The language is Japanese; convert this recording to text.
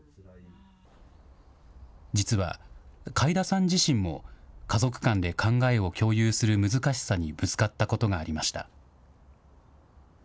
実は、開田さん自身も家族間で考えを共有する難しさにぶつかったことがありました。